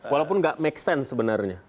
walaupun tidak membuat arti sebenarnya